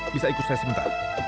bisa ikut saya sementara